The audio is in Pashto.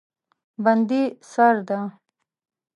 بندي سرده